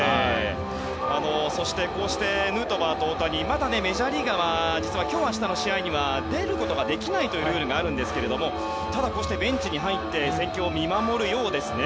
そして実はヌートバーと大谷まだメジャーリーガーは実は今日、明日の試合には出ることができないというルールがありますがただこうしてベンチに入って戦況を見守るようですね。